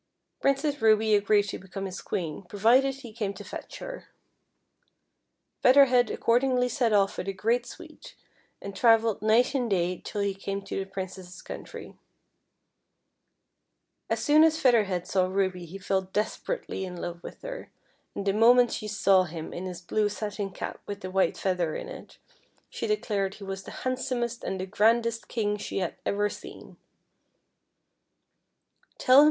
Princess Ruby agreed to become his Queen provided he came to fetch her. Feather Head accord ingly set off with a great suite, and travelled night and day till he came to the Princess's countr\\ As soon as Feather Head saw Ruby he fell desperately in love with her, and the moment she saw him in his blue satin cap with the white feather in it, she declared he was the handsomest and the grandest King she had ever seen.